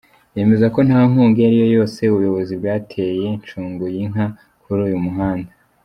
Yemeza ko nta nkunga iyo ariyo yose ubuyobozi bwateye Nshunguyinka kuri uyu muhanda.